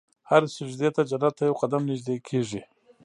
هر سجدې ته جنت ته یو قدم نژدې کېږي.